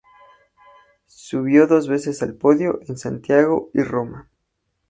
Subió dos veces al podio, en Santiago y Roma.